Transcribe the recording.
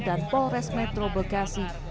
dan polres metro bekasi